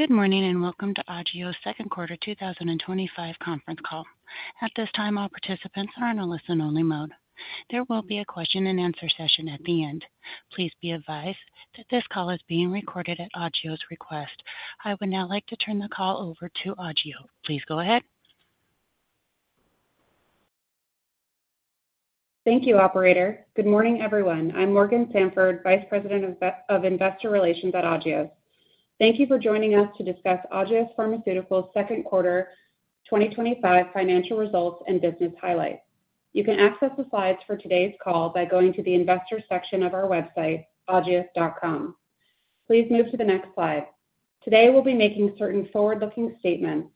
Good morning and welcome to Agios Pharmaceuticals second quarter 2025 conference call. At this time, all participants are in a listen-only mode. There will be a question and answer session at the end. Please be advised that this call is being recorded at Agios request. I would now like to turn the call over to Agios. Please go ahead. Thank you, operator. Good morning, everyone. I'm Morgan Sanford, Vice President of Investor Relations at Agios. Thank you for joining us to discuss Agios Pharmaceuticals Second Quarter 2025 Financial Results and business highlights. You can access the slides for today's call by going to the Investors section of our website, agios.com. Please move to the next slide. Today we'll be making certain forward-looking statements.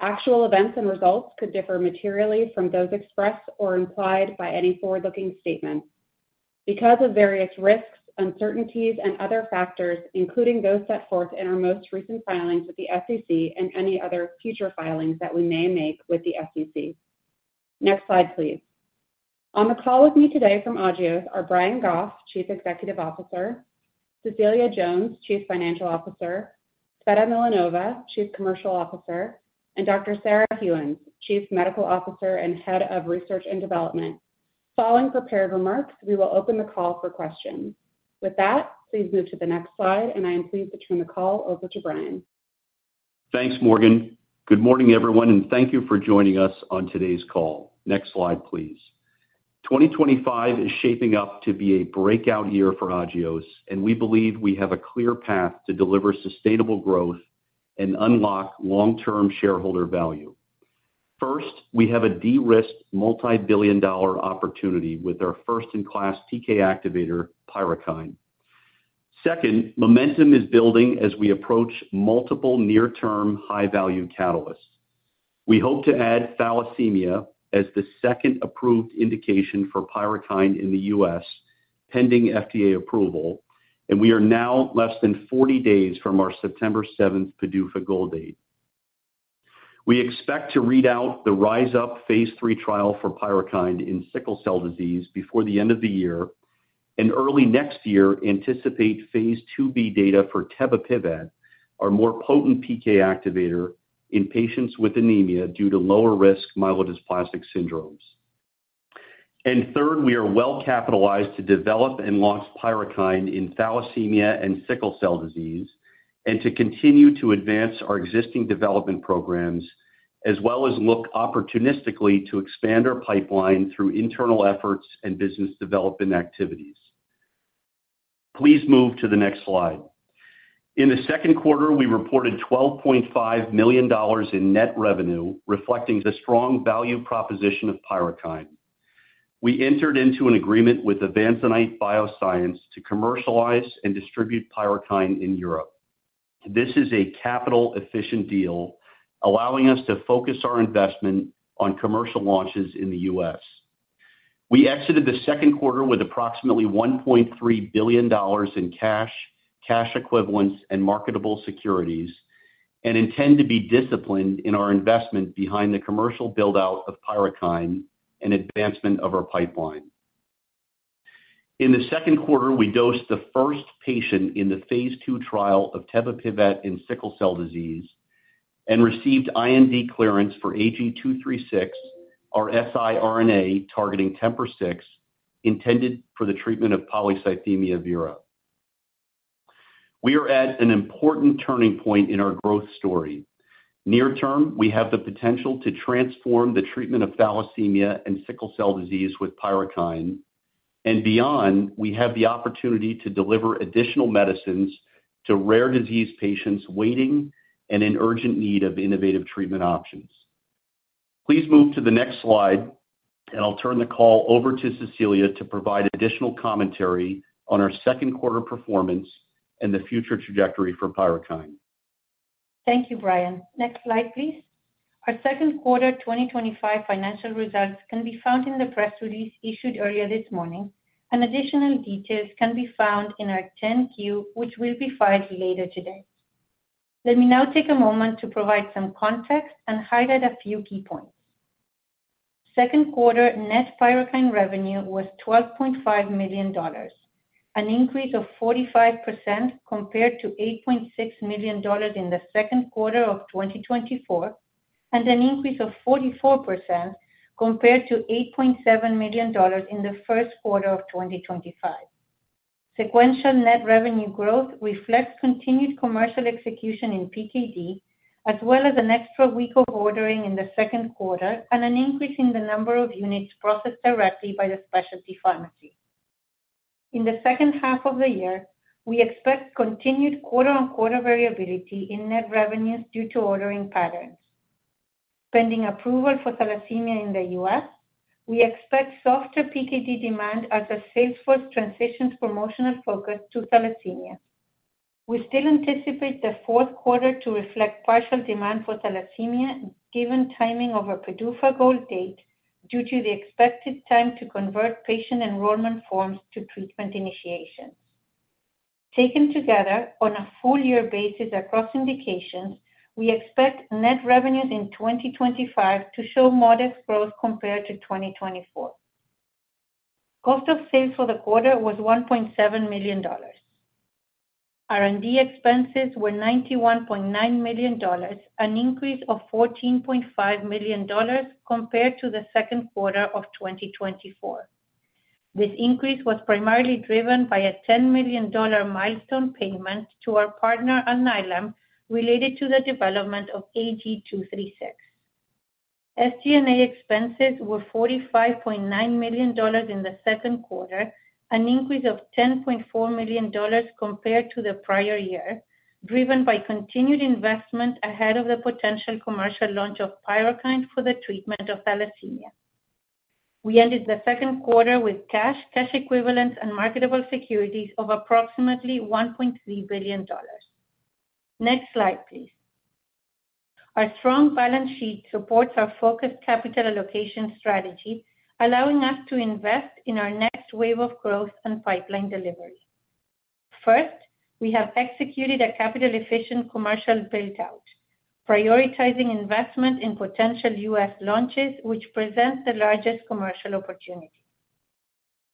Actual events and results could differ materially from those expressed or implied by any forward-looking statement because of various risks, uncertainties, and other factors, including those set forth in our most recent filings with the SEC and any other future filings that we may make with the SEC. Next slide, please. On the call with me today from Agios are Brian Goff, Chief Executive Officer; Cecilia Jones, Chief Financial Officer; Tsveta Milanova, Chief Commercial Officer; and Dr. Sarah Gheuens, Chief Medical Officer and Head of Research and Development. Following prepared remarks, we will open the call for questions. With that, please move to the next slide, and I am pleased to turn the call over to Brian. Thanks, Morgan. Good morning, everyone, and thank you for joining us on today's call. Next slide, please. 2025 is shaping up to be a breakout year for Agios, and we believe we have a clear path to deliver sustainable growth and unlock long-term shareholder value. First, we have a de-risked multibillion dollar opportunity with our first-in-class PK activator, PYRUKYND. Second, momentum is building as we approach multiple near-term high-value catalysts. We hope to add Thalassemia as the second approved indication for PYRUKYND in the U.S., pending FDA approval. We are now less than 40 days from our September 7 PDUFA goal date. We expect to read out the RISE UP phase III trial for PYRUKYND in Sickle cell disease before the end of the year and early next year. We anticipate phase 2b data for Tebapivat, our more potent PK activator, in patients with anemia due to lower-risk myelodysplastic syndromes. Third, we are well capitalized to develop and launch PYRUKYND in Thalassemia and Sickle cell disease and to continue to advance our existing development programs, as well as look opportunistically to expand our pipeline through internal efforts and business development activities. Please move to the next slide. In the second quarter, we reported $12.5 million in net revenue, reflecting the strong value proposition of PYRUKYND. We entered into an agreement with Avanzanite Bioscience to commercialize and distribute PYRUKYND in Europe. This is a capital-efficient deal, allowing us to focus our investment on commercial launches in the U.S. We exited the second quarter with approximately $1.3 billion in cash, cash equivalents, and marketable securities, and intend to be disciplined in our investment behind the commercial buildout of PYRUKYND and advancement of our pipeline. In the second quarter, we dosed the first patient in the phase II trial of Tebapivat in Sickle cell disease and received IND clearance for AG-236, our siRNA targeting TMPRSS6, intended for the treatment of polycythemia vera. We are at an important turning point in our growth story. Near term, we have the potential to transform the treatment of Thalassemia and Sickle cell disease with PYRUKYND and beyond. We have the opportunity to deliver additional medicines to rare disease patients waiting and in urgent need of innovative treatment options. Please move to the next slide, and I'll turn the call over to Cecilia to provide additional commentary on our second quarter performance and the future trajectory for PYRUKYND. Thank you, Brian. Next slide, please. Our second quarter 2025 financial results can be found in the press release issued earlier this morning, and additional details can be found in our 10-Q, which will be filed later today. Let me now take a moment to provide some context and highlight a few key points. Second quarter net PYRUKYND revenue was $12.5 million, an increase of 45% compared to $8.6 million in the second quarter of 2024, and an increase of 44% compared to $8.7 million in the first quarter of 2025. Sequential net revenue growth reflects continued commercial execution in PKD, as well as an extra week of ordering in the second quarter and an increase in the number of units processed directly by the specialty pharmacy in the second half of the year. We expect continued quarter-on-quarter variability in net revenues due to ordering patterns. Pending approval for Thalassemia in the U.S., we expect softer PKD demand as the salesforce transitions promotional focus to Thalassemia. We still anticipate the fourth quarter to reflect partial demand for Thalassemia given timing of a PDUFA goal date due to the expected time to convert patient enrollment forms to treatment initiations. Taken together, on a full-year basis across indications, we expect net revenues in 2025 to show modest growth compared to 2024. Cost of sales for the quarter was $1.7 million. R&D expenses were $91.9 million, an increase of $14.5 million compared to the second quarter of 2024. This increase was primarily driven by a $10 million milestone payment to our partner related to the development of AG-236. SG&A expenses were $45.9 million in the second quarter, an increase of $10.4 million compared to the prior year, driven by continued investment ahead of the potential commercial launch of PYRUKYND for the treatment of Thalassemia. We ended the second quarter with cash, cash equivalents, and marketable securities of approximately $1.3 billion. Next slide, please. Our strong balance sheet supports our focused capital allocation strategy, allowing us to invest in our next wave of growth and pipeline delivery. First, we have executed a capital-efficient commercial buildout, prioritizing investment in potential U.S. launches, which present the largest commercial opportunity.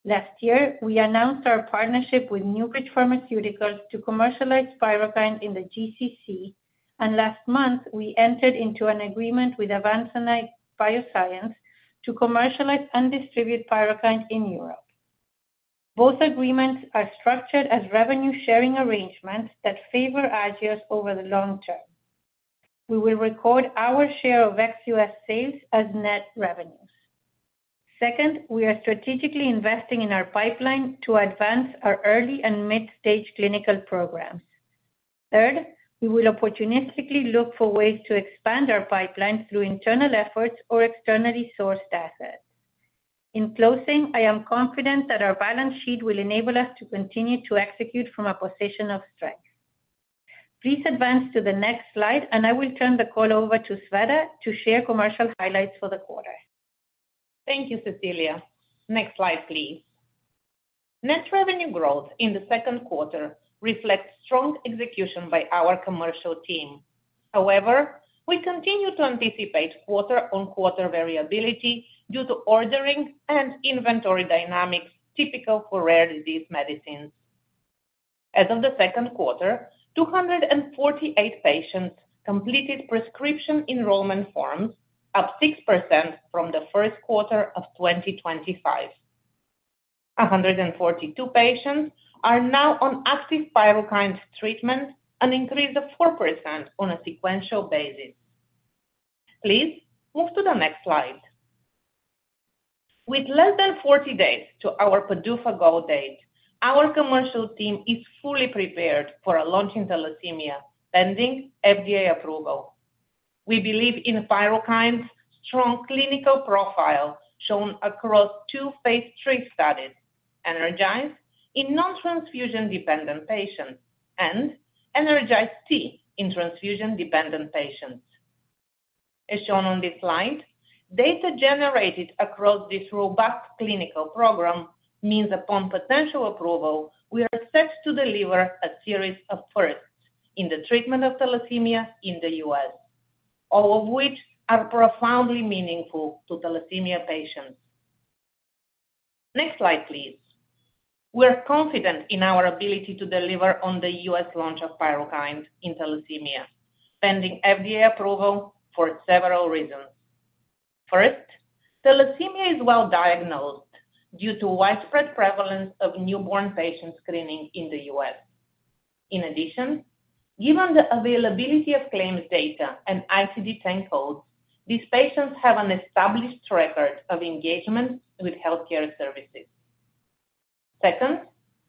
Last year, we announced our partnership with NewBridge Pharmaceuticals to commercialize PYRUKYND in the GCC region, and last month we entered into an agreement with Avanzanite Bioscience to commercialize and distribute PYRUKYND in Europe. Both agreements are structured as revenue sharing arrangements that favor Agios over the long term, we will record our share of ex-U.S. sales as net revenues. Second, we are strategically investing in our pipeline to advance our early and mid-stage clinical programs. Third, we will opportunistically look for ways to expand our pipeline through internal efforts or externally sourced assets. In closing, I am confident that our balance sheet will enable us to continue to execute from a position of strength. Please advance to the next slide and I will turn the call over to Tsveta to share commercial highlights for the quarter. Thank you, Cecilia. Next slide, please. Net revenue growth in the second quarter reflects strong execution by our commercial team. However, we continue to anticipate quarter-on-quarter variability due to ordering and inventory dynamics typical for rare disease medicines. As of the second quarter, 248 patients completed prescription enrollment forms, up 6% from the first quarter of 2025. 142 patients are now on active PYRUKYND treatment, an increase of 4% on a sequential basis. Please move to the next slide. With less than 40 days to our PDUFA goal date, our commercial team is fully prepared for a launch in Thalassemia pending FDA approval. We believe in PYRUKYND's strong clinical profile shown across two phase III studies, ENERGIZE in non-transfusion dependent patients and ENERGIZE-T in transfusion dependent patients as shown on this slide. Data generated across this robust clinical program means upon potential approval, we are set to deliver a series of firsts in the treatment of Thalassemia in the U.S., all of which are profoundly meaningful to Thalassemia patients. Next slide, please. We are confident in our ability to deliver on the U.S. launch of PYRUKYND in Thalassemia pending FDA approval for several reasons. First, Thalassemia is well diagnosed due to widespread prevalence of newborn patient screening in the U.S. In addition, given the availability of claims data and ICD-10 codes, these patients have an established record of engagement with health care services. Second,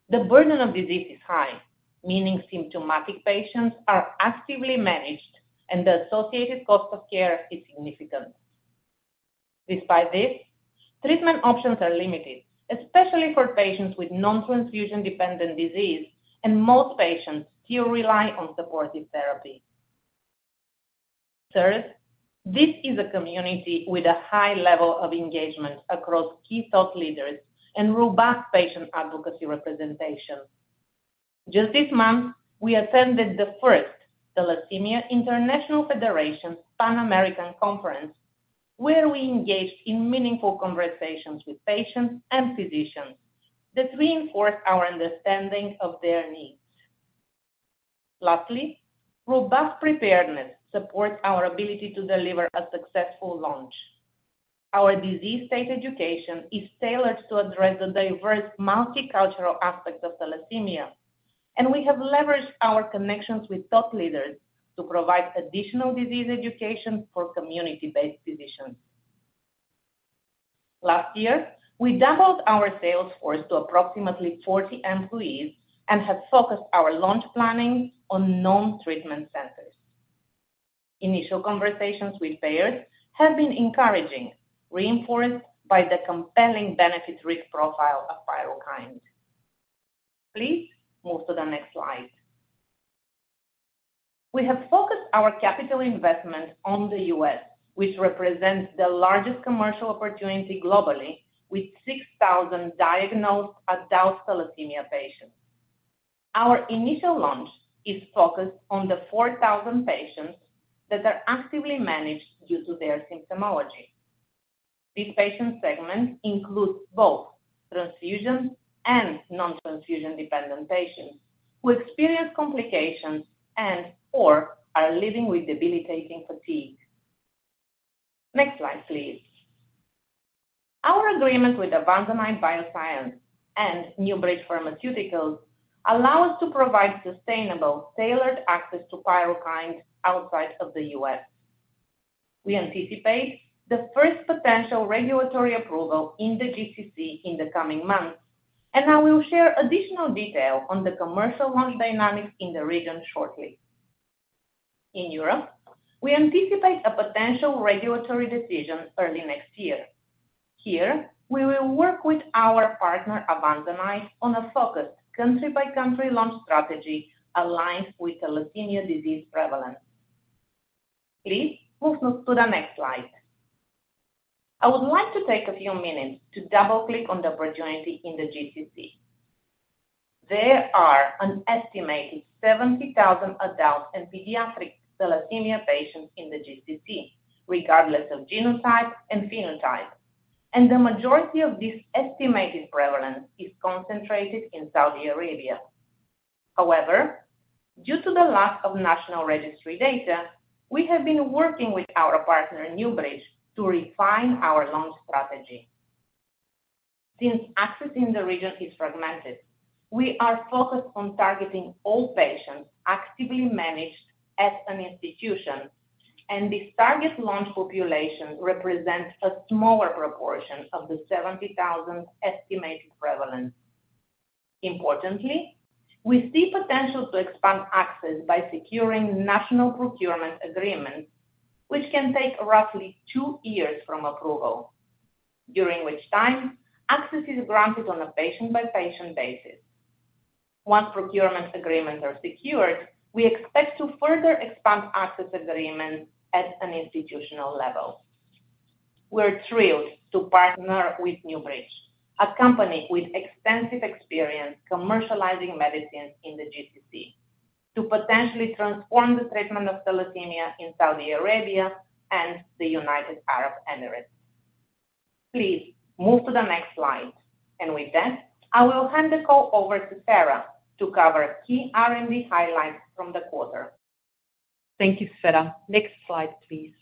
the burden of disease is high, meaning symptomatic patients are actively managed and the associated cost of care is significant. Despite this, treatment options are limited, especially for patients with non-transfusion dependent disease, and most patients still rely on supportive therapy. Third, this is a community with a high level of engagement across key thought leaders and robust patient advocacy representation. Just this month, we attended the first Thalassemia International Federation Pan American Conference where we engaged in meaningful conversations with patients and physicians that reinforce our understanding of their needs. Lastly, robust preparedness supports our ability to deliver a successful launch. Our disease state education is tailored to address the diverse multicultural aspects of Thalassemia, and we have leveraged our connections with thought leaders to provide additional disease education for community-based physicians. Last year, we doubled our sales force to approximately 40 employees and have focused our launch planning on non-treatment centers. Initial conversations with payers have been encouraging, reinforced by the compelling benefit-risk profile of PYRUKYND. Please move to the next slide. We have focused our capital investment on the U.S., which represents the largest commercial opportunity globally with 6,000 diagnosed adult Thalassemia patients. Our initial launch is focused on the 4,000 patients that are actively managed due to their symptomology. This patient segment includes both transfusion and non-transfusion dependent patients who experience complications. Or are living with debilitating fatigue. Next slide please. Our agreement with Avanzanite Bioscience and NewBridge Pharmaceuticals allow us to provide sustainable, tailored access to PYRUKYND outside of the U.S. We anticipate the first potential regulatory approval in the GCC region in the coming months and I will share additional detail on the commercial launch dynamics in the region shortly. In Europe, we anticipate a potential regulatory decision early next year. Here we will work with our partner Avanzanite on a focused country-by-country launch strategy aligned with the Thalassemia disease prevalence. Please move to the next slide. I would like to take a few minutes to double click on the opportunity in the GCC region. There are an estimated 70,000 adult and pediatric Thalassemia patients in the GCC region regardless of genotype and phenotype, and the majority of this estimated prevalence is concentrated in Saudi Arabia. However, due to the lack of national registry data, we have been working with our partner NewBridge to refine our launch strategy. Since access in the region is fragmented, we are focused on targeting all patients actively managed at an institution and this target launch population represents a smaller proportion of the 70,000 estimated prevalence. Importantly, we see potential to expand access by securing national procurement agreements, which can take roughly two years from approval, during which time access is granted on a patient-by-patient basis. Once procurement agreements are secured, we expect to further expand access agreements at an institutional level. We are thrilled to partner with NewBridge, a company with extensive experience commercializing medicines in the GCC region, to potentially transform the treatment of Thalassemia in Saudi Arabia and the United Arab Emirates. Please move to the next slide and with that I will hand the call over to Sarah to cover key R&D highlights from the quarter. Thank you, Tsveta. Next slide, please.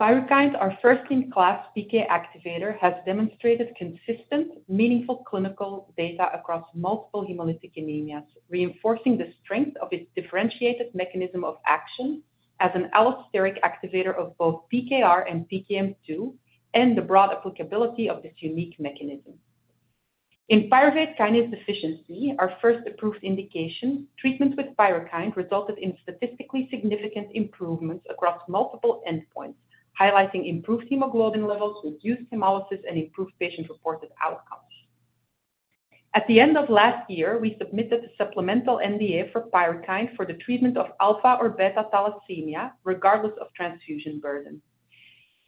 PYRUKYND, our first-in-class PK activator, has demonstrated consistent, meaningful clinical data across multiple hemolytic anemias, reinforcing the strength of its differentiated mechanism of action as an allosteric activator of both PKR and PKM2, and the broad applicability of this unique mechanism. In Pyruvate kinase deficiency, our first approved indication treatments with PYRUKYND resulted in statistically significant improvements across multiple endpoints, highlighting improved hemoglobin levels, reduced hemolysis, and improved patient-reported outcomes. At the end of last year, we submitted the supplemental NDA for PYRUKYND for the treatment of alpha or beta Thalassemia, regardless of transfusion burden.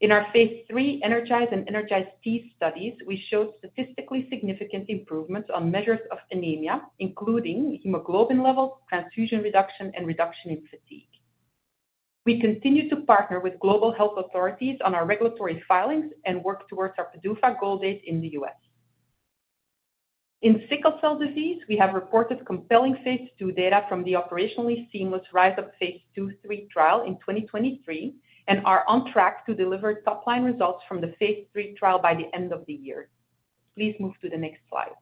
In our phase III ENERGIZE and ENERGIZE-T studies, we showed statistically significant improvements on measures of anemia, including hemoglobin level, transfusion reduction, and reduction in fatigue. We continue to partner with global health authorities on our regulatory filings and work towards our PDUFA goal date in the U.S. In Sickle cell disease we have reported compelling phase II data from the operationally seamless RISE UP phase II/III trial in 2023 and are on track to deliver top line results from the phase III trial by the end of the year. Please move to the next slide.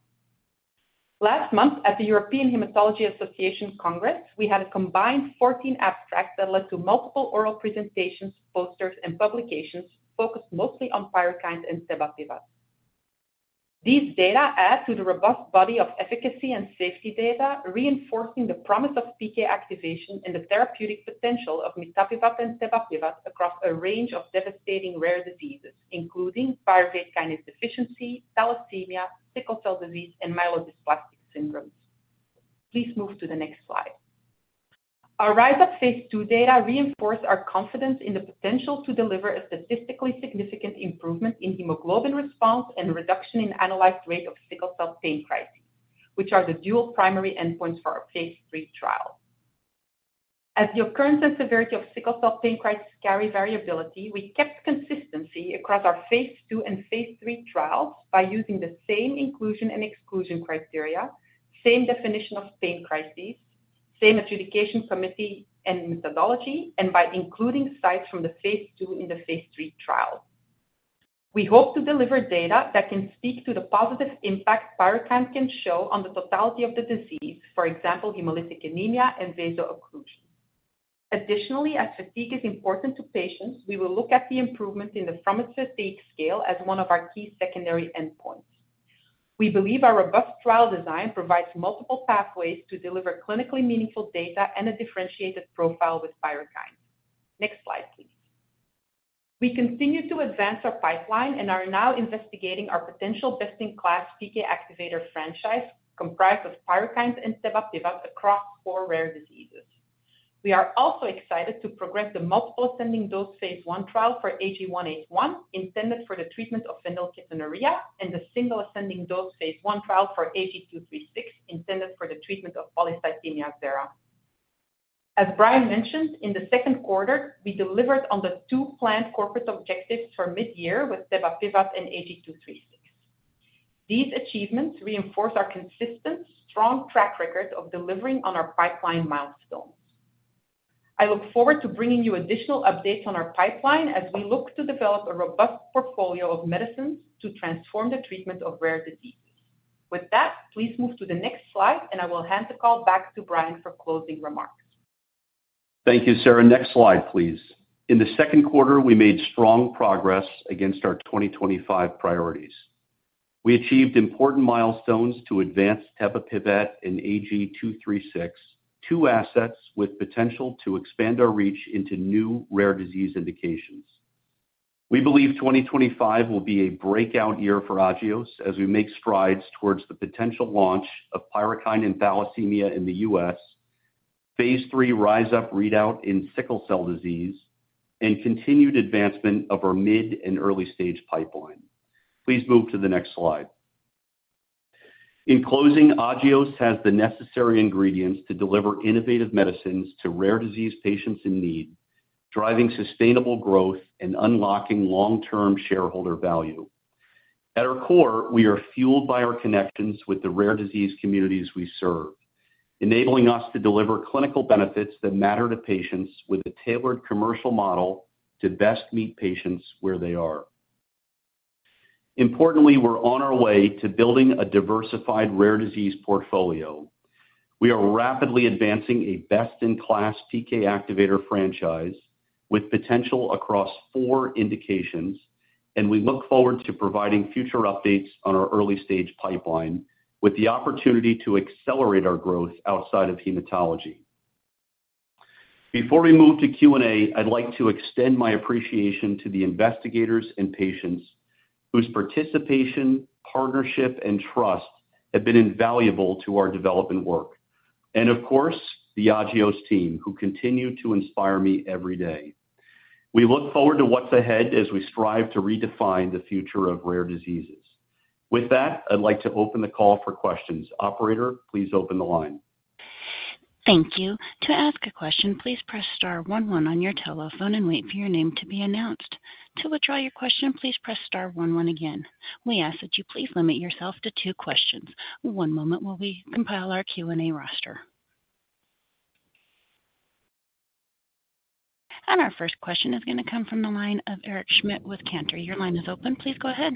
Last month at the European Hematology Association Congress, we had a combined 14 abstracts that led to multiple oral, poster, and publication presentations focused mostly on PYRUKYND and Tebapivat. These data add to the robust body of efficacy and safety data reinforcing the promise of PK activation and the therapeutic potential of mitapivat and Tebapivat across a range of devastating rare diseases including pyruvate kinase deficiency, Thalassemia, Sickle cell disease, and myelodysplastic syndromes. Please move to the next slide. Our RISE UP phase II data reinforced our confidence in the potential to deliver a statistically significant improvement in hemoglobin response and reduction in annualized rate of sickle cell pain crises, which are the dual primary endpoints for our phase III trial. As the occurrence and severity of sickle cell pain crisis carry variability, we kept consistency across our phase II and phase III trials by using the same inclusion and exclusion criteria, same definition of pain crisis, same adjudication committee and methodology, and by including sites from the phase II in the phase III trial. We hope to deliver data that can speak to the positive impact PYRUKYND can show on the totality of the disease, for example, hemolytic anemia and vaso-occlusion. Additionally, as fatigue is important to patients, we will look at the improvement in the PROMIS Fatigue Scale as one of our key secondary endpoints. We believe our robust trial design provides multiple pathways to deliver clinically meaningful data and a differentiated profile with PYRUKYND. Next slide please. We continue to advance our pipeline and are now investigating our potential best-in-class PK activator franchise comprised of PYRUKYND and Tebapivat across four rare diseases. We are also excited to progress the multiple ascending dose phase I trial for AG-181 intended for the treatment of phenylketonuria and the single ascending dose phase I trial for AG-236 intended for the treatment of polycythemia vera. As Brian mentioned, in the second quarter we delivered on the two planned corporate objectives for mid-year with Tebapivat and AG-236. These achievements reinforce our consistent strong track record of delivering on our pipeline milestones. I look forward to bringing you additional updates on our pipeline as we look to develop a robust portfolio of medicines to transform the treatment of rare diseases. With that, please move to the next slide and I will hand the call back to Brian for closing remarks. Thank you, Sarah. Next slide, please. In the second quarter, we made strong progress against our 2025 priorities. We achieved important milestones to advance Tebapivat and AG-236, two assets with potential to expand our reach into new rare disease indications. We believe 2025 will be a breakout year for Agios as we make strides towards the potential launch of PYRUKYND in Thalassemia in the U.S., phase III RISE UP readout in Sickle cell disease, and continued advancement of our mid and early stage pipeline. Please move to the next slide. In closing, Agios has the necessary ingredients to deliver innovative medicines to rare disease patients in need, driving sustainable growth and unlocking long-term shareholder value. At our core, we are fueled by our connections with the rare disease communities we serve, enabling us to deliver clinical benefits that matter to patients with a tailored commercial model to best meet patients where they are. Importantly, we're on our way to building a diversified rare disease portfolio. We are rapidly advancing a best-in-class PK activator franchise with potential across four indications, and we look forward to providing future updates on our early stage pipeline with the opportunity to accelerate our growth outside of hematology. Before we move to Q&A, I'd like to extend my appreciation to the investigators and patients whose participation, partnership, and trust have been invaluable to our development work, and of course the Agios team who continue to inspire me every day. We look forward to what's ahead as we strive to redefine the future of rare diseases. With that, I'd like to open the call for questions. Operator, please open the line. Thank you. To ask a question, please press star 11 on your telephone and wait for your name to be announced. To withdraw your question, please press star 11. Again, we ask that you please limit yourself to two questions. One moment while we compile our Q&A roster. Our first question is going to come from the line of Eric Schmidt with Cantor. Your line is open. Please go ahead.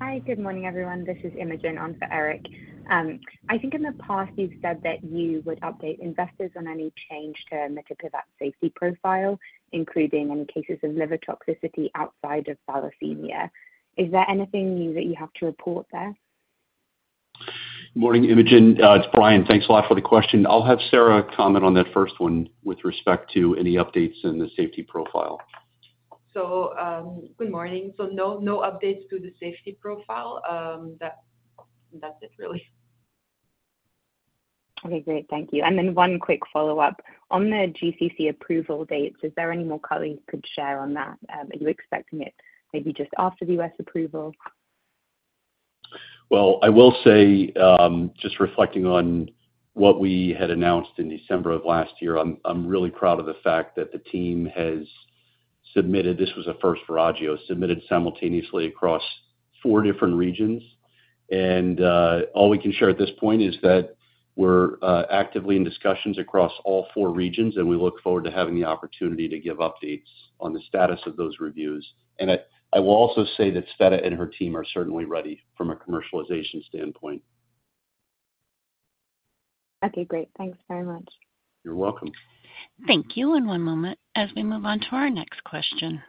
Hi, good morning everyone. This is Imogen on for Eric. I think in the past you've said that you would update investors on any change to mitapivat safety profile, including any cases of liver toxicity outside of Thalassemia. Is there anything new that you have to report there? Good morning, Imogen. It's Brian. Thanks a lot for the question. I'll have Sarah comment on that first one with respect to any updates in the safety profile. Good morning. No updates to the safety profile. That's it really. Okay, great. Thank you. One quick follow up on. The GCC approval dates. Is there any more, Carly, you could share on that? Are you expecting it to maybe just after the U.S. approval? I will say, just reflecting on what we had announced in December of last year, I'm really proud of the fact that the team has submitted, this was a first for Agios, submitted simultaneously across four different regions. All we can share at this point is that we're actively in discussions across all four regions and we look forward to having the opportunity to give updates on the status of those reviews. I will also say that Tsveta and her team are certainly ready from a commercialization standpoint. Okay, great. Thanks very much. You're welcome. Thank you. One moment as we move on to our next question.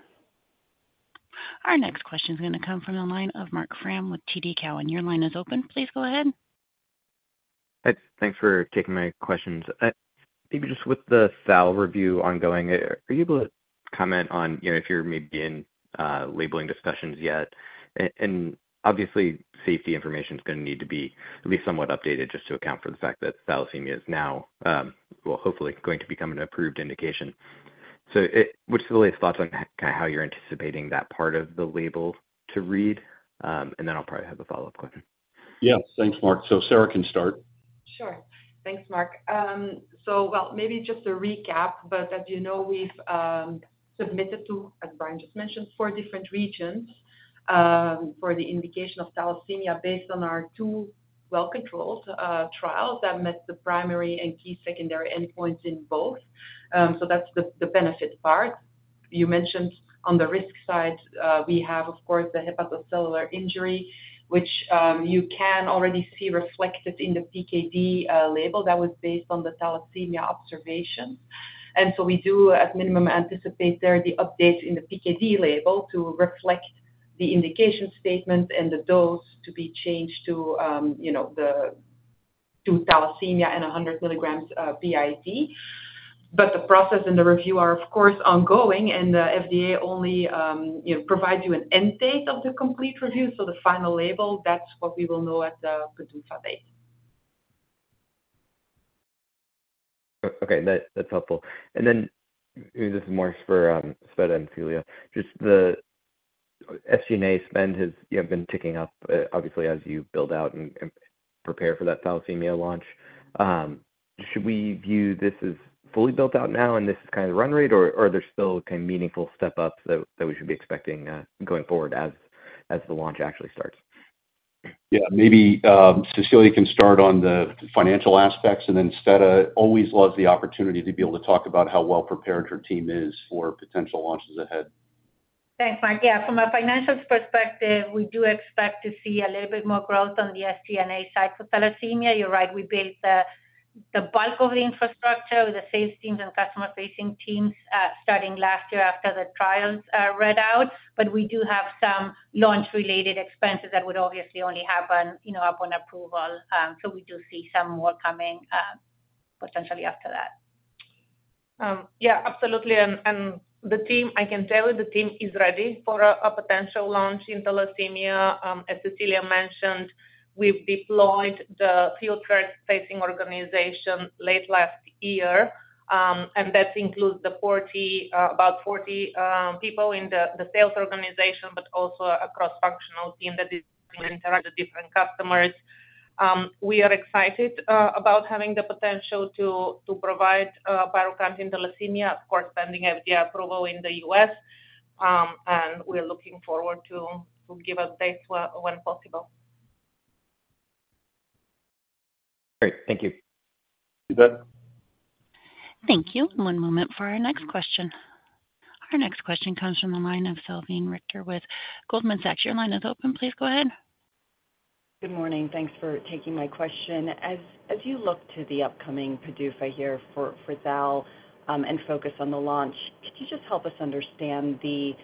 Our next question is going to come from the line of Marc Frahm with TD Cowen. Your line is open. Please go ahead. Thanks for taking my questions. Maybe just with the SAL review ongoing, are you able to comment on if you're maybe in labeling discussions yet? Obviously safety information is going to need to be at least somewhat updated just to account for the fact that Thalassemia is now hopefully going to become an approved indication. What's the latest thoughts on how you're anticipating that part of the label to read? I'll probably have a follow up question. Yeah, thanks, Marc. Sarah can start. Sure. Thanks, Marc. Maybe just a recap, but as you know, we've submitted to, as Brian just mentioned, four different regions for the indication of Thalassemia based on our two well-controlled trials that met the primary and key secondary endpoints in both. That's the benefit part you mentioned. On the risk side, we have of course the hepatocellular injury, which you can already see reflected in the PKD label that was based on the Thalassemia observations. We do at minimum anticipate there the updates in the PKD label to reflect the indication statement and the dose to be changed to Thalassemia and 100 milligram BID. The process and the review are of course ongoing, and the FDA only provides you an end date of the complete review. The final label, that's what we will know at the PDUFA date. Okay, that's helpful. This is more for Tsveta and Cecilia. Just the SG&A spend has been ticking up obviously as you build out and prepare for that Thalassemia launch. Should we view this as fully built out now and this is kind of run rate, or are there still kind of meaningful step ups that we should be expecting going forward as the launch actually starts? Yeah, maybe Cecilia can start on the financial aspects, and then Tsveta always loves the opportunity to be able to talk about how well prepared her team is for potential launches ahead. Thanks, Marc. Yeah. From a financials perspective, we do expect to see a little bit more growth on the SG&A side for Thalassemia. You're right. We built the bulk of the infrastructure with the sales teams and customer facing teams starting last year after the trials read out. We do have some launch related expenses that would obviously only happen upon approval. We do see some more coming potentially after that. Absolutely. The team is ready for a potential launch in Thalassemia. As Cecilia mentioned, we've deployed the field-facing organization late last year, and that includes about 40 people in the sales organization, but also a cross-functional team that interacts with different customers. We are excited about having the potential to provide PYRUKYND in Thalassemia, corresponding to FDA approval in the U.S., and we're looking forward to give updates when possible. Great, thank you. Thank you. One moment for our next question. Our next question comes from the line of Goldman Sachs. Your line is open. Please go ahead. Good morning. Thanks for taking my question. As you look to the upcoming PDUFA goal date here for PYRUKYND and focus on the launch, could you just help us understand the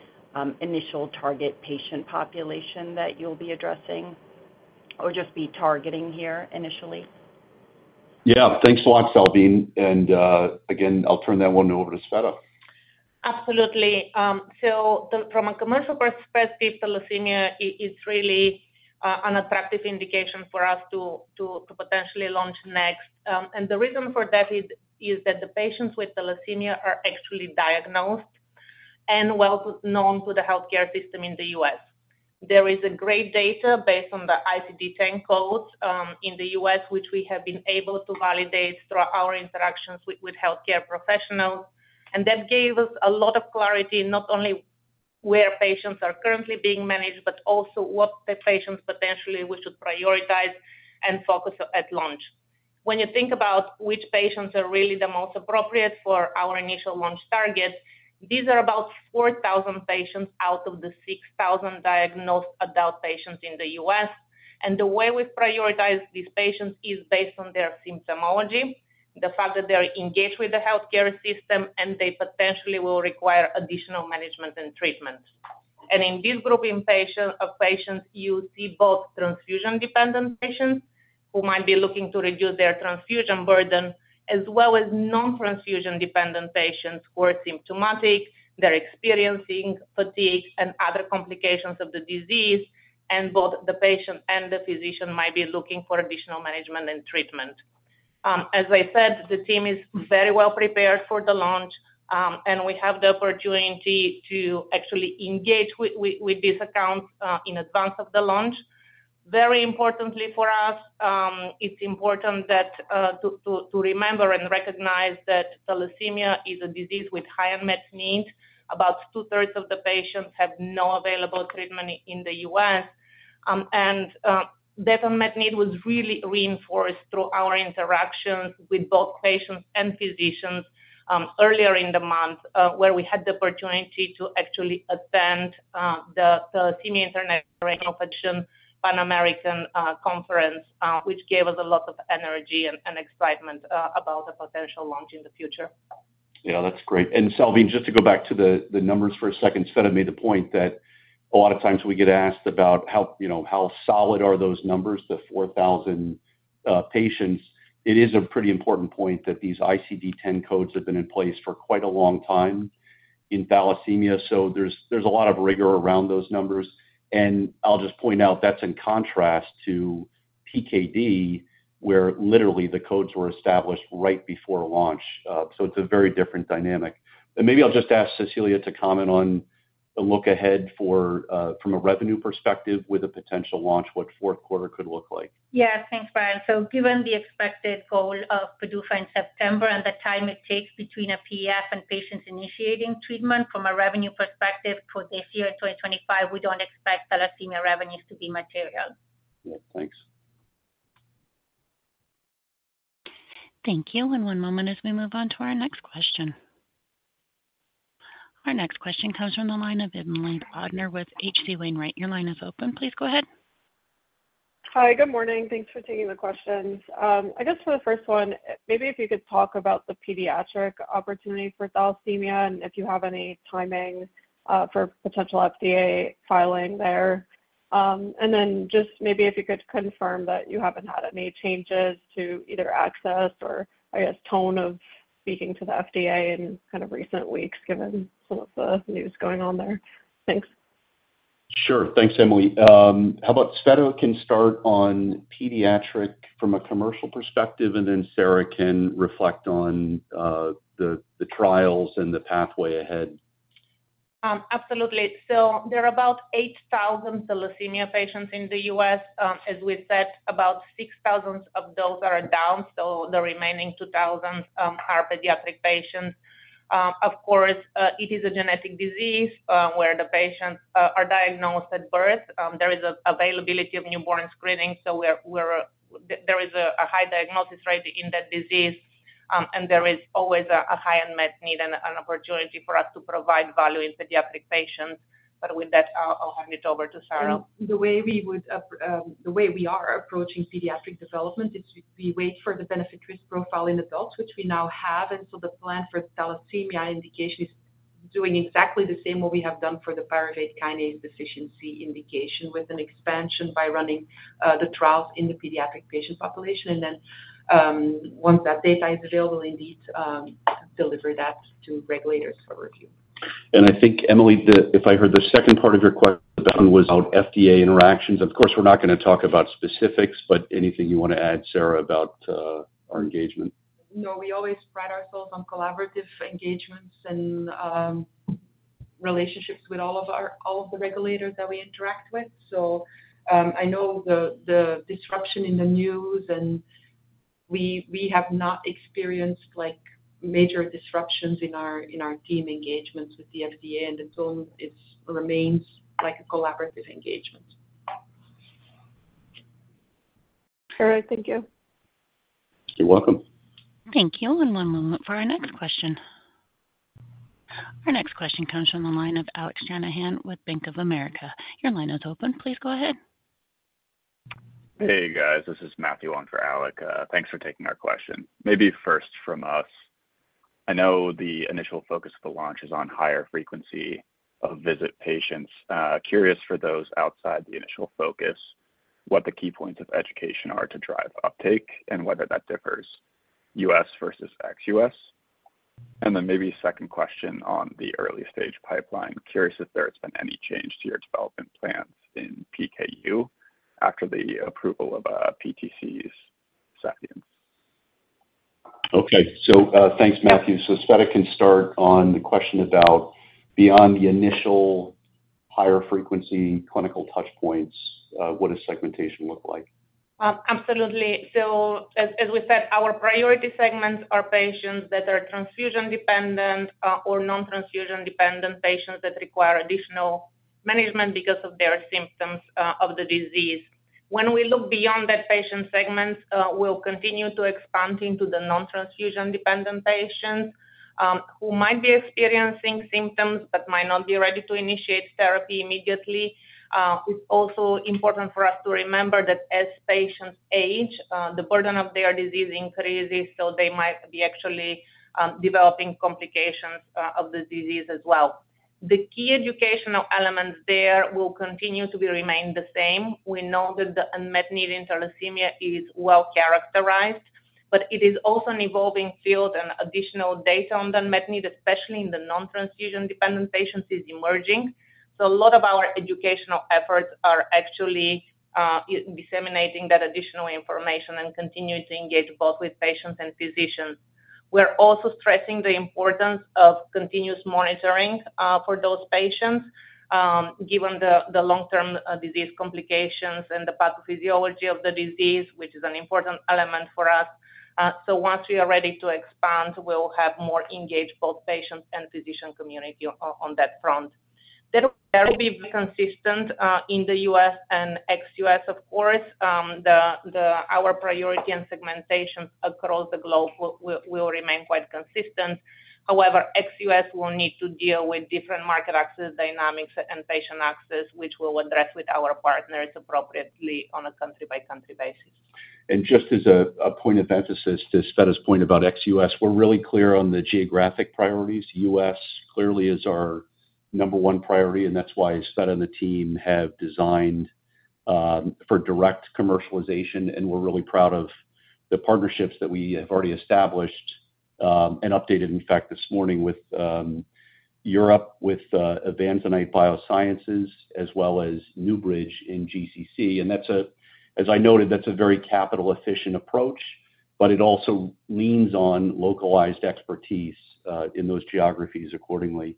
initial target patient population that you'll be addressing or just be targeting here initially? Yeah, thanks a lot Salveen. I'll turn that one over to Tsveta. Absolutely. From a commercial perspective, Thalassemia is really an attractive indication for us to potentially launch next. The reason for that is that the patients with Thalassemia are actually diagnosed and well known to the healthcare system in the U.S. There is great data based on the ICD-10 codes in the U.S., which we have been able to validate throughout our interactions with healthcare professionals. That gave us a lot of clarity not only on where patients are currently being managed, but also which patients potentially we should prioritize and focus on at launch. When you think about which patients are really the most appropriate for our initial launch target, these are about 4,000 patients out of the 6,000 diagnosed adult patients in the U.S., and the way we prioritize these patients is based on their symptomology, the fact that they're engaged with the healthcare system, and they potentially will require additional management and treatment. In this group of patients, you see both transfusion dependent patients who might be looking to reduce their transfusion burden, as well as non-transfusion dependent patients who are symptomatic, they're experiencing fatigue and other complications of the disease, and both the patient and the physician might be looking for additional management and treatment. As I said, the team is very well prepared for the launch and we have the opportunity to actually engage with these accounts in advance of the launch. Very importantly for us, it's important to remember and recognize that Thalassemia is a disease with high unmet need. About two thirds of the patients have no available treatment in the U.S., and that unmet need was really reinforced through our interactions with both patients and physicians earlier in the month, where we had the opportunity to actually attend the SIMI Internet Pan American Conference, which gave us a lot of energy and excitement about the potential launch in the future. Yeah, that's great. And Salveen, just to go back to the numbers for a second, Tsveta made the point that a lot of times we get asked about how solid are those numbers, the 4,000 patients? It is a pretty important point that these ICD-10 codes have been in place for quite a long time in Thalassemia. There's a lot of rigor around those numbers. I'll just point out that's in contrast to pyruvate kinase deficiency, where literally the codes were established right before launch. It's a very different dynamic. Maybe I'll just ask Cecilia to comment on a look ahead from a revenue perspective with a potential launch, what fourth quarter could look like. Yeah, thanks, Brian. Given the expected goal of PDUFA in September and the time it takes between a PDUFA and patients initiating treatment, from a revenue perspective for this year, 2025, we don't expect Thalassemia revenues to be material. Thanks. Thank you. One moment as we move on to our next question. Our next question comes from the line of Emily Bodnar with H.C. Wainwright. Your line is open. Please go ahead. Hi, good morning. Thanks for taking the questions. I guess for the first one, maybe if you could talk about the pediatric opportunity for Thalassemia and if you have any timing for potential FDA filing there. Maybe if you could confirm that you haven't had any changes to either access or, I guess, tone of speaking to the FDA in recent weeks, given some of the news going on there. Thanks. Sure. Thanks, Emily. How about Tsveta can start on pediatric from a commercial perspective, and then Sarah can reflect on the trials and the pathway ahead. Absolutely. There are about 8,000 Thalassemia patients in the U.S. as we said, about 6,000 of those are adult. The remaining 2,000 are pediatric patients. Of course, it is a genetic disease where the patients are diagnosed at birth. There is availability of newborn screening, so there is a high diagnosis rate in that disease. There is always a high unmet need and an opportunity for us to provide value in pediatric patients. With that, I'll hand it over to Sarah. The way we are approaching pediatric development is we wait for the benefit risk profile in adults, which we now have. The plan for Thalassemia indication is doing exactly the same what we have done for the pyruvate kinase deficiency indication with an expansion by running the trials in the pediatric patient population, and once that data is available, indeed deliver that to regulators for review. I think, Emily, if I heard the second part of your question was about FDA interactions. Of course we're not going to talk about specifics, but anything you want to add, Sarah, about our engagement? No. We always pride ourselves on collaborative engagements and relationships with all of the regulators that we interact with. I know the disruption in the news, and we have not experienced major disruptions in our team engagements with the FDA. At home, it remains a collaborative engagement. All right, thank you. You're welcome. Thank you. One moment for our next question. Our next question comes from the line of Alex Shanahan with Bank of America. Your line is open. Please go ahead. Hey guys, this is Matthew on for Alex. Thanks for taking our question. Maybe first from us, I know the initial focus of the launch is on higher frequency of visit patients. Curious for those outside the initial focus, what the key points of education are to drive uptake and whether that differs U.S. versus ex-U.S. Maybe second question on the early stage pipeline, curious if there has been any change to your development plans in PKU after the approval of PTC Therapeutics. Okay, thanks, Matthew. Tsveta can start on the question about beyond the initial higher frequency clinical touch points, what does segmentation look like? Absolutely. As we said, our priority segments are patients that are transfusion dependent or non-transfusion dependent patients that require additional management because of their symptoms of the disease. When we look beyond that patient segment, we'll continue to expand into the non-transfusion dependent patients who might be experiencing symptoms but might not be ready to initiate therapy immediately. It's also important for us to remember that as patients age, the burden of their disease increases, so they might actually be developing complications of the disease as well. The key educational elements there will continue to remain the same. We know that the unmet need is well characterized, but it is also an evolving field and additional data on the unmet need, especially in the non-transfusion dependent patients, is emerging. A lot of our educational efforts are actually disseminating that additional information and continuing to engage both with patients and physicians. We're also stressing the importance of continuous monitoring for those patients given the long-term disease complications and the pathophysiology of the disease, which is an important element for us. Once we are ready to expand, we will have more engaged both patients and physician community on that front. That will be consistent in the U.S. and ex-U.S. Of course, our priority and segmentation across the globe will remain quite consistent. However, ex-U.S. will need to deal with different market access dynamics and patient access, which we will address with our partners appropriately on a country-by-country basis. Just as a point of emphasis to Tsveta's point about ex-U.S., we're really clear on the geographic priorities. U.S. clearly is our number one priority and that's why Tsveta and the team have designed for direct commercialization. We're really proud of the partnerships that we have already established and updated, in fact this morning, with Europe with Avanzanite Bioscience as well as NewBridge in the GCC region. As I noted, that's a very capital efficient approach, but it also leans on localized expertise in those geographies accordingly.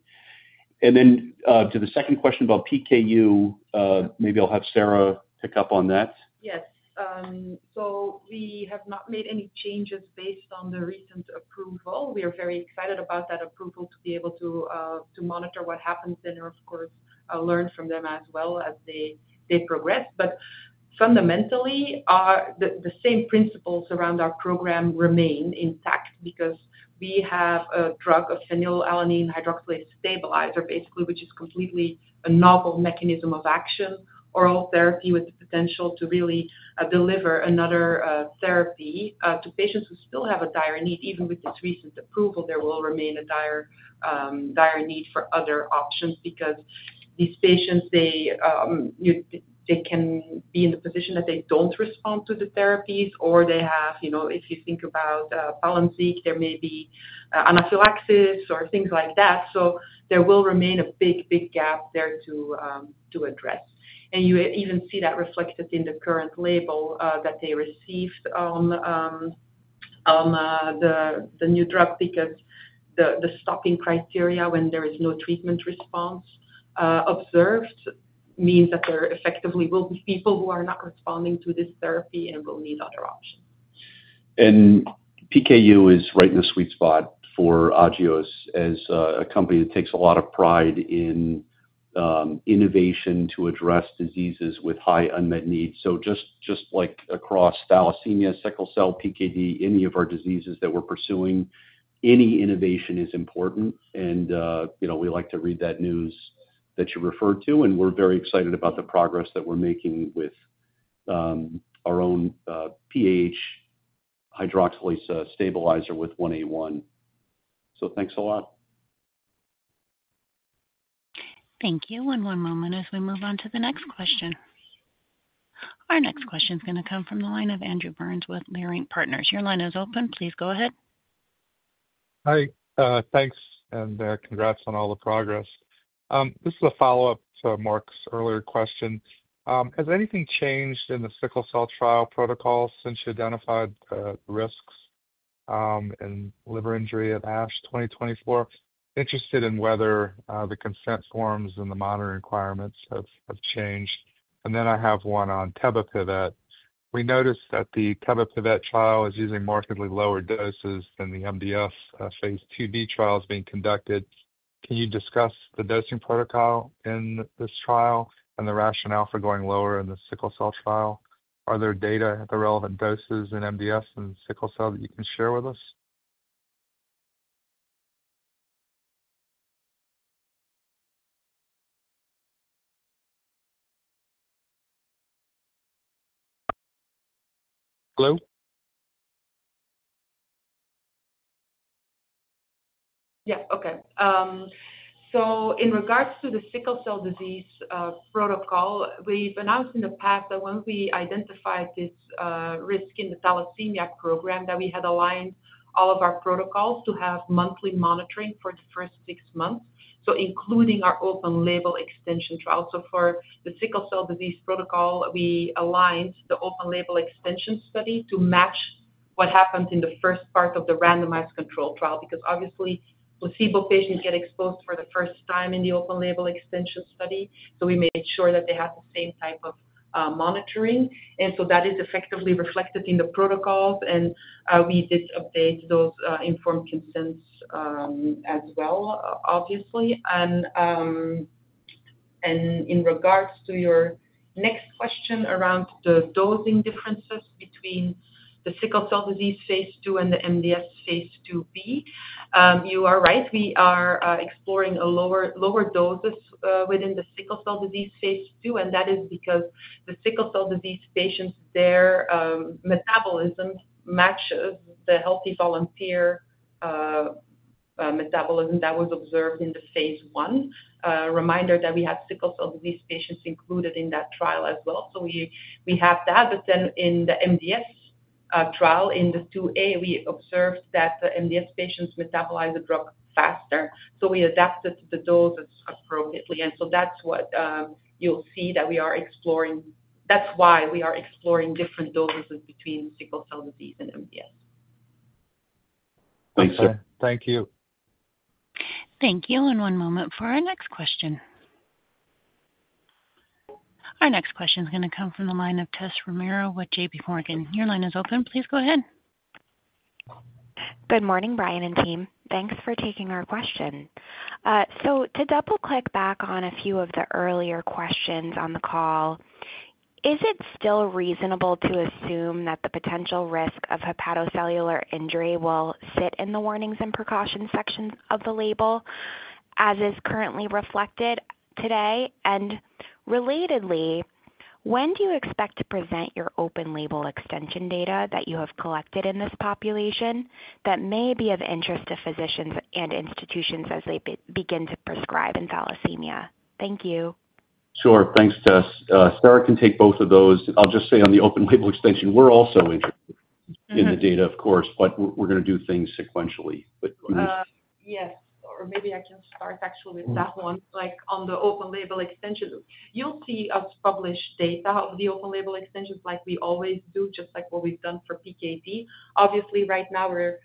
To the second question about PKU, maybe I'll have Sarah pick up on that. Yes. We have not made any changes based on the recent approval. We are very excited about that approval to be able to monitor what happens and of course learn from them as well as they progress. Fundamentally, the same principles around our program remain intact because we have a drug of phenylalanine hydroxylase stabilizer basically, which is completely a novel mechanism of action, oral therapy with the potential to really deliver another therapy to patients who specialize, still have a dire need. Even with this recent approval, there will remain a dire need for other options because these patients, they can be in the position that they don't respond to the therapies or they have, you know, if you think about Palynziq, there may be anaphylaxis or things like that. There will remain a big, big gap there to address. You even see that reflected in the current label that they received on the new drug. The stopping criteria when there is no treatment response observed means that there effectively will be people who are not responding to this therapy and will need other options. PKU is right in the sweet spot for Agios as a company that takes a lot of pride in innovation to address diseases with high unmet needs. Just like across Thalassemia, Sickle cell disease, pyruvate kinase deficiency, any of our diseases that we're pursuing, any innovation is important and we like to read that news that you referred to. We are very excited about the progress that we're making with our own PAH hydroxylase stabilizer with 1A1. Thanks a lot. Thank you. One more moment as we move on to the next question. Our next question is going to come from the line of Andrew Berens with Leerink Partners. Your line is open. Please go ahead. Hi. Thanks. Congrats on all the progress. This is a follow-up to Marc's earlier question. Has anything changed in the sickle cell trial protocol since you identified risks and liver injury at ASH 2024? I'm interested in whether the consent forms and the monitoring requirements have changed. I have one on Tebapivat. We noticed that the Tebapivat trial is using markedly lower doses than the MDS phase 2b trials being conducted. Can you discuss the dosing protocol in this trial and the rationale for going lower in the sickle cell trial? Are there data at the relevant doses in MDS and sickle cell that you can share with us? Hello? Yeah. Okay. In regards to the Sickle cell disease protocol, we've announced in the past that when we identified this risk in the Thalassemia program, we had aligned all of our protocols to have monthly monitoring for the first six months, including our open label extension trial. For the Sickle cell disease protocol, we aligned the open label extension study to match what happened in the first part of the randomized control trial, because obviously placebo patients get exposed for the first time in the open label extension study. We made sure that they had the same type of monitoring. That is effectively reflected in the protocols. We did update those informed consents as well, obviously. In regards to your next question around the dosing differences between the Sickle cell disease phase II and the MDS phase II, you are right. We are exploring lower doses within the Sickle cell disease phase II. That is because the Sickle cell disease patients, their metabolism matches the healthy volunteer metabolism that was observed in the phase I. Reminder that we had Sickle cell disease patients included in that trial as well. We have that. In the MDS trial, in the 2a, we observed that MDS patients metabolize the drug faster. We adapted the dose appropriately. That's what you'll see that we are exploring. That's why we are exploring different doses between Sickle cell disease and MDS. Thanks. Thank you. Thank you. One moment for our next question. Our next question is going to come from the line of Tessa Romero with J.P. Morgan. Your line is open. Please go ahead. Good morning, Brian and team. Thanks for taking our question. To double click back on a few of the earlier questions on the call, is it still reasonable to assume that the potential risk of hepatocellular injury will sit in the warnings and precautions sections of the label, as is currently reflected today? Relatedly, when do you expect to present your open label extension data that you have collected in this population that may be of interest to physicians and institutions as they begin to prescribe in Thalassemia? Thank you. Sure. Thanks, Tessa. Sarah can take both of those. I'll just say on the open-label extension, we're also interested in the data, of course, but we're going to do things sequentially. Yes, maybe I can start actually with that one. On the open-label extension, you'll see us publish data of the open-label extensions like we always do, just like what we've done for PKD. Obviously, right now we're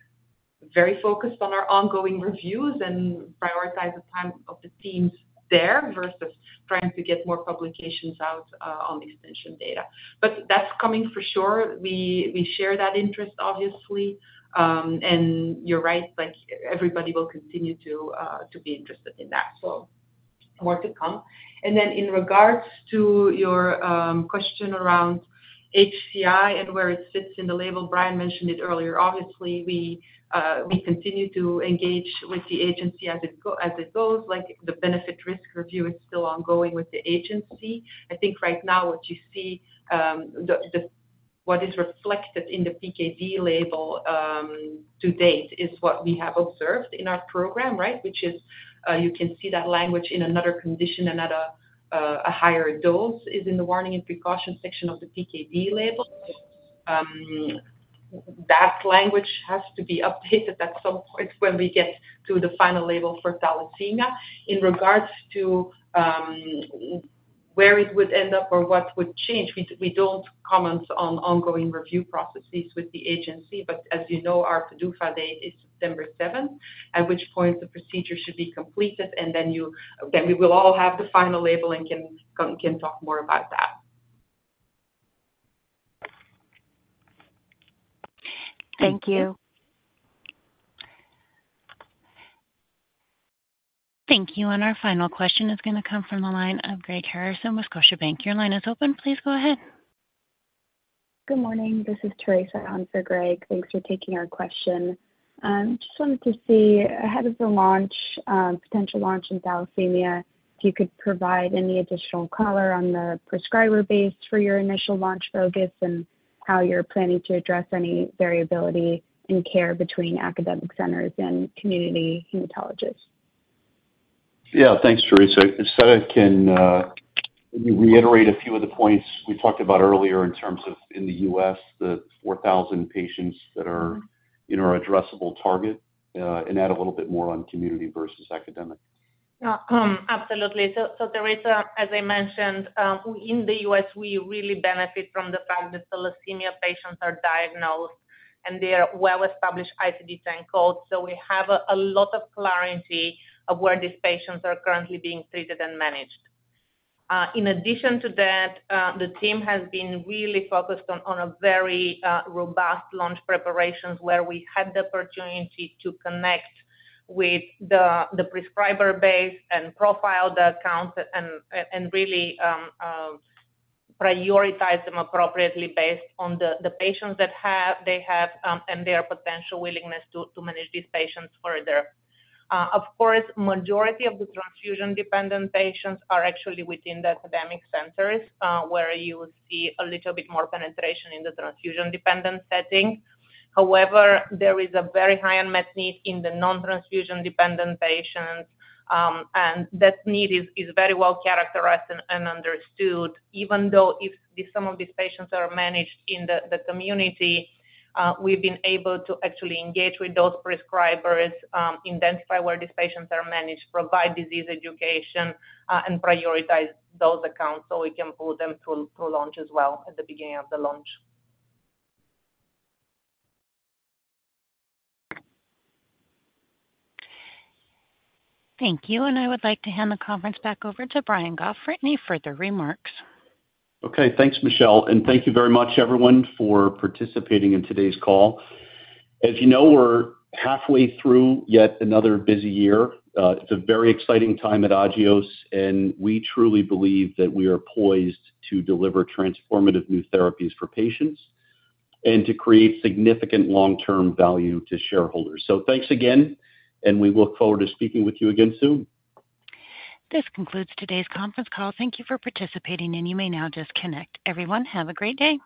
very focused on. Our ongoing reviews prioritize the time of the teams there versus trying to get more publications out on extension data. That's coming for sure. We share that interest, obviously, and you're right, everybody will continue to be interested in that. More to come. In regards to your question around hepatocellular injury and where it sits in the label, Brian mentioned it earlier. Obviously, we continue to engage with the agency as it goes. The benefit risk review is still ongoing with the agency. I think right now what you see, what is reflected in the PKD label to date, is what we have observed in our program. You can see that language in another condition and at a higher dose is in the warning and precaution section of the PKD label. That language has to be updated at some point when we get to the final label for Thalassemia in regards to where it would end up or what would change. We do not comment on ongoing review processes with the agency. As you know, our PDUFA date is September 7, at which point the procedure should be completed. Then we will all have the final label and can talk more about that. Thank you. Thank you. Our final question is going to come from the line of Greg Harrison, Oppenheimer. Your line is open. Please go ahead. Good morning, this is Teresa. Greg, thanks for taking our question. Just wanted to see ahead of the launch, potential launch in Thalassemia, if you could provide any additional color on the prescriber base for your initial launch and how you're planning to address any variability in care between academic centers and community hematologists. Yeah, thanks. Teresa can reiterate a few of the points we talked about earlier in terms of in the U.S. the 4,000 patients that are in our addressable target and add a little bit more on community versus academic. Absolutely. Teresa, as I mentioned, in the U.S. we really benefit from the fact that Thalassemia patients are diagnosed and they are well established ICD-10 code. We have a lot of clarity of where these patients are currently being treated and managed. In addition to that, the team has been really focused on very robust launch preparations where we had the opportunity to connect with the prescriber base and profile the account and really prioritize them appropriately based on the patients that they have and their potential willingness to manage these patients. Further, of course, majority of the transfusion dependent patients are actually within the academic centers where you see a little bit more penetration in the transfusion dependent setting. However, there is a very high unmet need in the non transfusion dependent patients and that need is very well characterized and understood. Even though some of these patients are managed in the community, we've been able to actually engage with those prescribers, identify where these patients are managed, provide disease education, and prioritize those accounts so we can pull them through launch as well at the beginning of the launch. Thank you. I would like to hand the conference back over to Brian Goff for their remarks. Okay, thanks Michelle. Thank you very much everyone for participating in today's call. As you know, we're halfway through yet another busy year. It's a very exciting time at Agios and we truly believe that we are poised to deliver transformative therapies for patients and to create significant long term value to shareholders. Thanks again and we look forward to speaking with you again soon. This concludes today's conference call. Thank you for participating and you may now disconnect. Everyone have a great day.